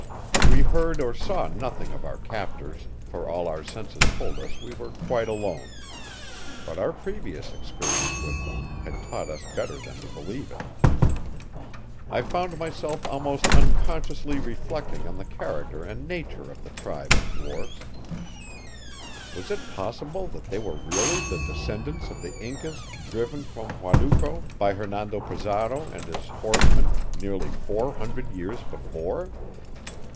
We heard or saw nothing of our captors, for all our senses told us we were quite alone, but our previous experience with them had taught us better than to believe it. I found myself almost unconsciously reflecting on the character and nature of the tribe of dwarfs. Was it possible that they were really the descendants of the Incas driven from Huanuco by Hernando Pizarro and his horsemen nearly four hundred years before?